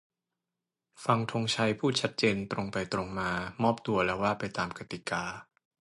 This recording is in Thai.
ฟัง ธงชัย พูด ชัดเจน ตรงไปตรงมา "มอบตัว" แล้วว่าไปตามกติกา